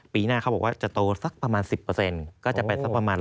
ปีหน้าเขาบอกว่าจะโตสักประมาณ๑๐ก็จะไปสักประมาณ